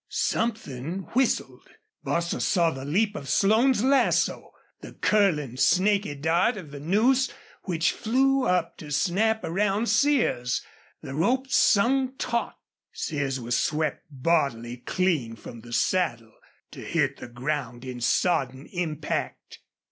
Something whistled. Bostil saw the leap of Slone's lasso the curling, snaky dart of the noose which flew up to snap around Sears. The rope sung taut. Sears was swept bodily clean from the saddle, to hit the ground in sodden impact.